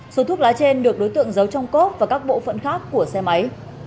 số thuốc lá trên được đối tượng giấu trong cốp và các bộ phận khác của xe máy